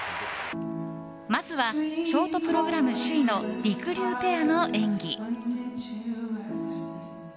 まずはショートプログラム首位のりくりゅうペアの演技。